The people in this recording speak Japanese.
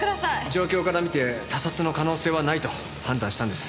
状況から見て他殺の可能性はないと判断したんです。